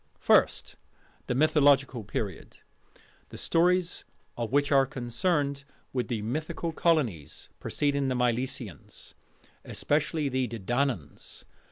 First: The Mythological Period, the stories of which are concerned with the mythical colonies preceding the Milesians, especially the Dedannans.